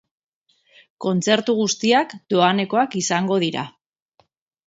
Kontzertu guztiak doanekoak izango dira.